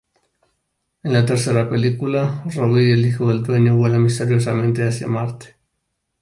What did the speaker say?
En la tercera película, Robbie, el hijo del dueño vuela misteriosamente hacia Marte.